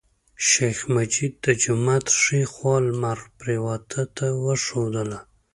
شیخ مجید د جومات ښی خوا لمر پریواته ته وښودله.